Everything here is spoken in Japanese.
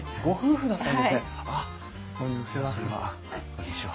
こんにちは。